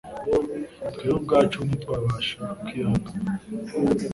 twebwe ubwacu ntitwabasha kwihana.